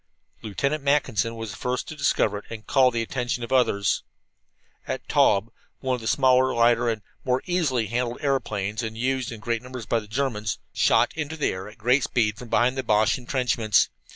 Lieutenant Mackinson was the first to discover it and call the attention of the others. A Taube, one of the smaller, lighter, and more easily handled aeroplanes, and used in great numbers by the Germans, shot into the air at great speed from behind the Boche entrenchments.